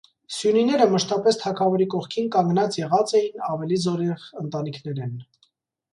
Սիւնիները մշտապէս թագաւորի կողքին կանգնած եղած էին աւելի զօրեղ ընտանիքներէն։